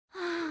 あ！